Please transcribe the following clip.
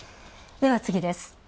では次です。